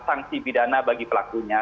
sanksi pidana bagi pelakunya